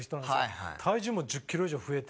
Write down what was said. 体重も１０キロ以上増えて。